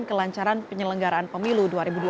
kelancaran penyelenggaraan pemilu dua ribu dua puluh